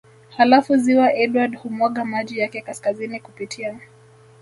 Halafu ziwa Edward humwaga maji yake kaskazini kupitia